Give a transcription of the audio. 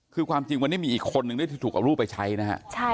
คือความจริงวันนี้มีอีกคนหนึ่งได้ถูกเอารูปไปใช้นะครับ